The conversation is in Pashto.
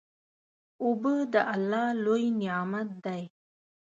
اوبه د الله لوی نعمت دی.